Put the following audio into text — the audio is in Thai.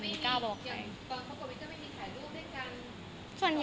มีแค่เมื่อกี๊